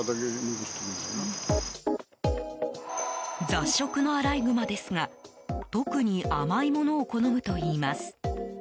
雑食のアライグマですが特に甘いものを好むといいます。